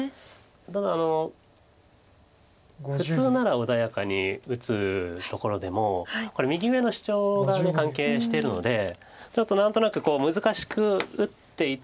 ただ普通なら穏やかに打つところでもこれ右上のシチョウが関係してるのでちょっと何となく難しく打っていって。